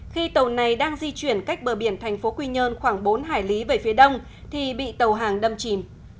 khi tàu này đang di chuyển cách bờ biển thành phố quy nhơn khoảng bốn hải lý về phía đông thì bị tàu hàng đâm chìm